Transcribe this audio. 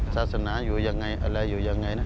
ศาสนาอยู่ยังไงอะไรอยู่ยังไงนะ